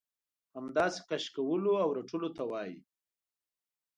همداسې کش کولو او رټلو ته وايي.